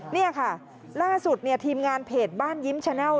นี่ค่ะล่าสุดทีมงานเพจบ้านยิ้มแชนัล